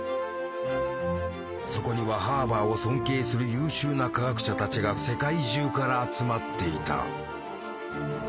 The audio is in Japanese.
そこにはハーバーを尊敬する優秀な科学者たちが世界中から集まっていた。